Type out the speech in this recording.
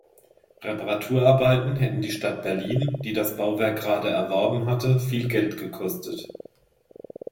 Reparaturarbeiten hätten die Stadt Berlin, die das Bauwerk gerade erworben hatte, viel Geld gekostet.